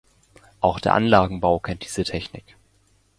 Auch der Anlagenbau kennt diese Technik.